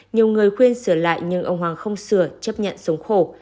nhiều người khuyên sửa lại nhưng ông hoàng không sửa chấp nhận sống khổ